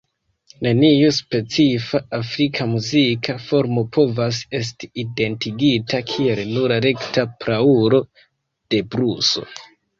Neniu specifa afrika muzika formo povas esti identigita kiel nura rekta praulo de bluso.